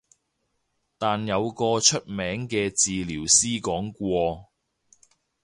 但有個出名嘅治療師講過